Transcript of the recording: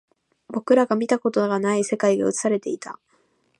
僕らが見たことがない世界が映されていた